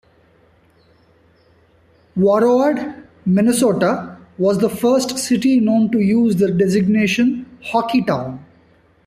Warroad, Minnesota was the first city known to use the designation Hockeytown.